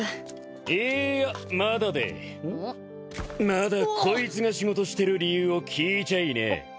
まだこいつが仕事してる理由を聞いちゃいねえ。